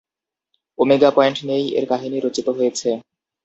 Omega point নিয়েই এর কাহিনী রচিত হয়েছে।